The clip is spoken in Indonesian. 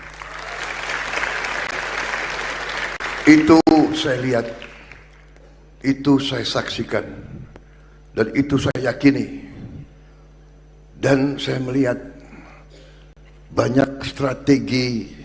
be marco iya itu saya lihat itu saya saksikan dan itu saya yakini dan saya melihat hai banyak strategi